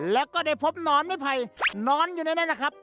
แล้วก็ได้พบนอนไม่ไผ่นอนอยู่ในนั้นนะครับ